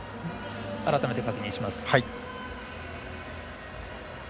改めて、確認します。